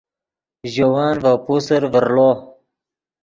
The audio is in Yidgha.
ژے ون ڤے پوسر ڤرڑو